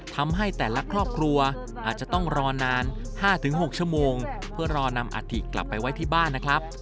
ทำให้แต่ละครอบครัวอาจจะต้องรอนาน๕๖ชั่วโมงเพื่อรอนำอัฐิกลับไปไว้ที่บ้านนะครับ